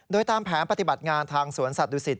โดยตามแผนปฏิบัติงานทางสวนสัตวศิษ